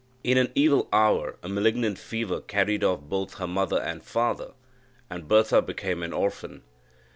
In an evil hour, a malignant fever carried off both her father and mother, and Bertha became an orphan.